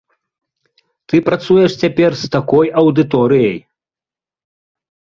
Ты працуеш цяпер з такой аўдыторыяй!